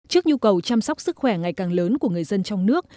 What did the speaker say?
trước nhu cầu chăm sóc sức khỏe ngày càng lớn của người dân trong nước